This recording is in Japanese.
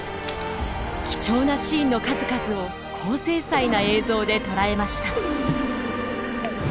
貴重なシーンの数々を高精細な映像で捉えました。